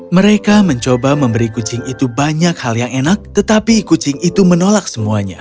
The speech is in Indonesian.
mereka mencoba memberi kucing itu banyak hal yang enak tetapi kucing itu menolak semuanya